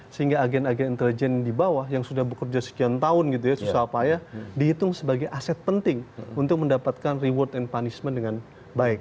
sehingga agen agen intelijen di bawah yang sudah bekerja sekian tahun gitu ya susah payah dihitung sebagai aset penting untuk mendapatkan reward and punishment dengan baik